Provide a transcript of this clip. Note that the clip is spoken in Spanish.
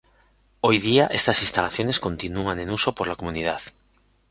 Hoy día estas instalaciones continúan en uso por la comunidad.